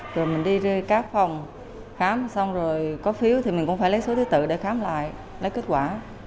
rồi mình đi các phòng khám xong rồi có phiếu thì mình cũng phải lấy số thứ tự để khám lại lấy kết quả